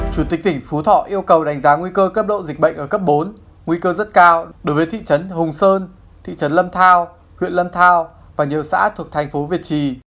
chủ tịch tỉnh phú thọ yêu cầu đánh giá nguy cơ cấp độ dịch bệnh ở cấp bốn nguy cơ rất cao đối với thị trấn hùng sơn thị trấn lâm thao huyện lâm thao và nhiều xã thuộc thành phố việt trì